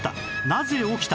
なぜ起きた？